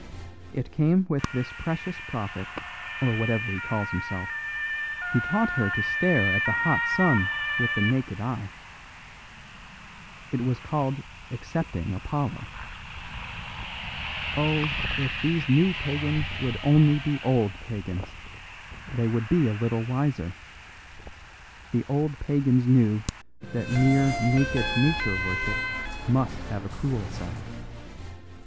It came with this precious prophet, or whatever he calls himself, who taught her to stare at the hot sun with the naked eye. It was called accepting Apollo. Oh, if these new pagans would only be old pagans, they would be a little wiser! The old pagans knew that mere naked Nature worship must have a cruel side.